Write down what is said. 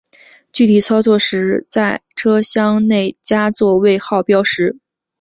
具体操作时要在车厢内加座位号标识。